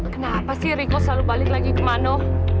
kenapa sih rico selalu balik lagi ke mano